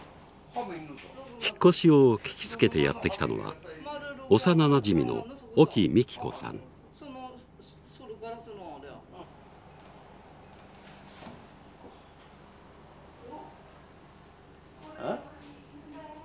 引っ越しを聞きつけてやって来たのは幼なじみのえ？